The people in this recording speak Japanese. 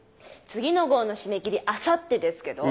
次の号の締め切りあさってですけど。